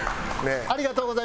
ありがとうございます。